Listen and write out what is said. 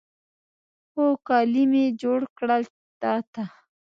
خو، کالي مې جوړ کړل تا ته